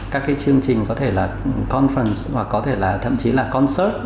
các chương trình có thể là conference hoặc có thể là thậm chí là concert